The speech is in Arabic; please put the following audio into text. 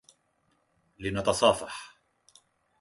لنتصافح.